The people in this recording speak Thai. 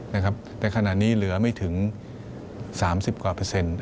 นะครับแต่ขนาดนี้เหลือไม่ถึง๓๐กว่าเปอร์เซ็นต์